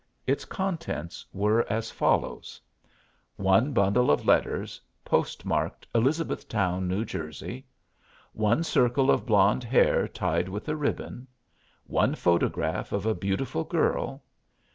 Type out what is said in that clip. Its contents were as follows: One bundle of letters, postmarked "Elizabethtown, New Jersey." One circle of blonde hair tied with a ribbon. One photograph of a beautiful girl.